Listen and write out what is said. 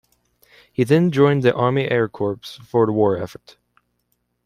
He then joined the Army Air Corps for the war effort.